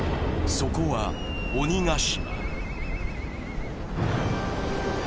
そこは、鬼ケ島。